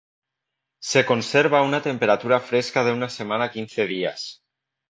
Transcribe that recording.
Se conserva a una temperatura fresca de una semana a quince días.